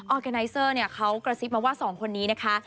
อร์แกไนเซอร์เนี่ยเขากระซิบมาว่าสองคนนี้นะคะ